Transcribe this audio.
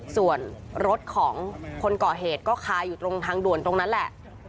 ส่วนรถของคนก่อเหตุก็คาอยู่ตรงทางด่วนตรงนั้นแหละ